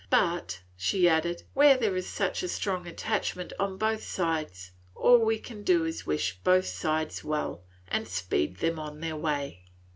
But," she added, "where there is such a strong attachment on both sides, all we can do is to wish both sides well, and speed them on their way.